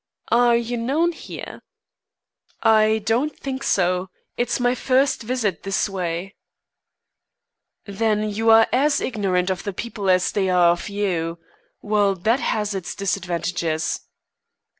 "Are you known here?" "I don't think so; it's my first visit this way." "Then you are as ignorant of the people as they are of you. Well, that has its disadvantages."